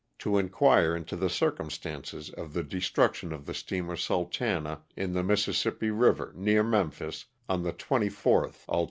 to inquire into the circumstances of the destruction of the steamer * Sultana ' in the Mississippi river, near Memphis, on the 24th ult.